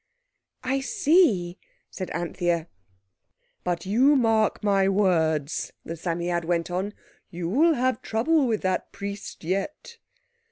"I see," said Anthea. "But you mark my words," the Psammead went on, "you'll have trouble with that Priest yet."